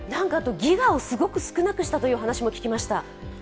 ギガをすごく少なくしたという話も聞きました。